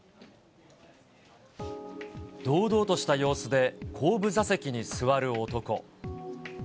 堂々とした様子で後部座席に座る男。